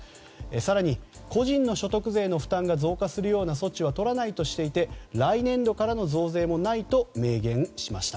更に、個人の所得税の負担が増加するような措置は取らないとしていて来年度からの増税もないと明言しました。